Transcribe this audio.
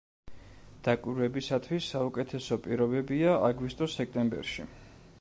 დაკვირვებისათვის საუკეთესო პირობებია აგვისტო-სექტემბერში.